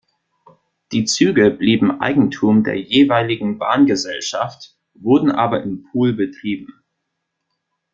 Die Züge blieben Eigentum der jeweiligen Bahngesellschaft, wurden aber im Pool betrieben.